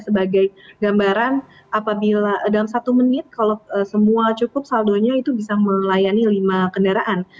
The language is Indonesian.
sebagai gambaran apabila dalam satu menit kalau semua cukup saldonya itu bisa melayani lima kendaraan